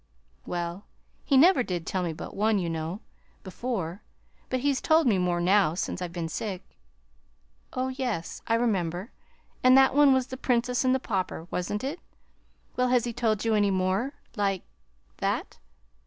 "Well, he never did tell me but one, you know, before; but he's told me more now, since I've been sick." "Oh, yes, I remember, and that one was 'The Princess and the Pauper,' wasn't it? Well, has he told you any more like that?"